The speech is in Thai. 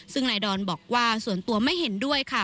ซึ่งนายดอนบอกว่าส่วนตัวไม่เห็นด้วยค่ะ